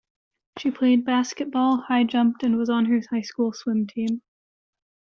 She played basketball, high-jumped and was on her high school swim team.